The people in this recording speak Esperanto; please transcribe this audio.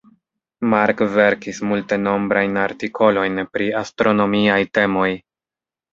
Mark verkis multenombrajn artikolojn pri astronomiaj temoj.